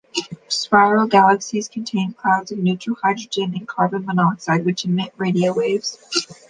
Spiral galaxies contain clouds of neutral hydrogen and carbon monoxide which emit radio waves.